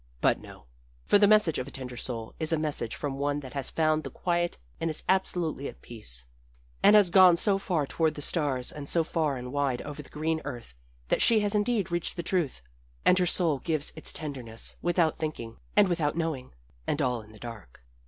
But no. For the message of a tender soul is a message from one that has found the quiet and is absolutely at peace, and has gone so far toward the stars and so far and wide over the green earth that she has indeed reached the truth, and her soul gives of its tenderness without thinking, and without knowing, and all in the dark.